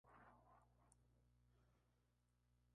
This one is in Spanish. Posteriormente graban algunas piezas en Orfeón.